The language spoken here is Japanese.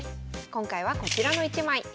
今回はこちらの１枚。